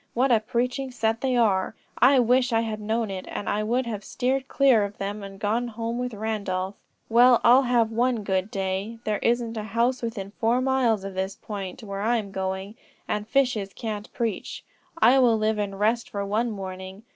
What a preaching set they are! I wish I had known it, and I would have steered clear of them and gone home with Randolph. Well, I'll have one good day; there isn't a house within four miles of the point where I am going, and fishes can't preach. I will live in rest for one morning.